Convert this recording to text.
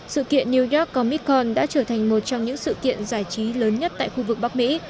sự kiện new york comitcon đã trở thành một trong những sự kiện giải trí lớn nhất tại khu vực bắc mỹ